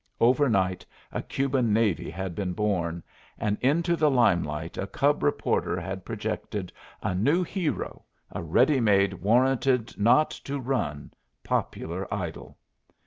Over night a Cuban navy had been born, and into the limelight a cub reporter had projected a new "hero," a ready made, warranted not to run, popular idol.